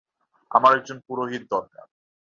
আমার একজন পুরোহিত দরকার।